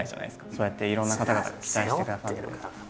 そうやっていろんな方々が期待してくださって。